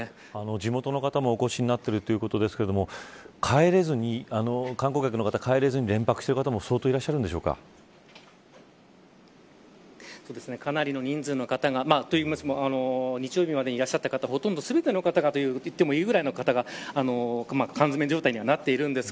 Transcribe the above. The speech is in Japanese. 地元の方もお越しになってるということですが観光客の方が帰れずに連泊しているという方もかなりの人数の方がといいますのも日曜日にいらっしゃった方がほとんど全てといってもいいくらいの方が缶詰状態になっています。